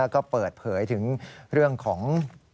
ก็เปิดเผยถึงเรื่องของ